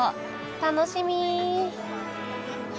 楽しみ。